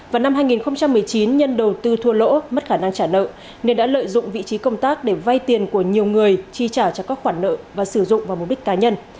vào năm hai nghìn một mươi chín nhân đầu tư thua lỗ mất khả năng trả nợ nên đã lợi dụng vị trí công tác để vay tiền của nhiều người chi trả cho các khoản nợ và sử dụng vào mục đích cá nhân